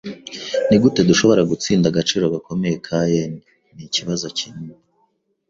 Nigute dushobora gutsinda agaciro gakomeye ka yen nikibazo kinini.